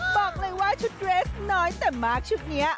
บอกเลยว่าชุดเรสน้อยแต่มากชุดนี้